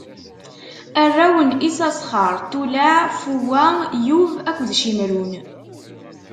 Arraw n Isasxaṛ: Tulaɛ, Fuwa, Yub akked Cimrun.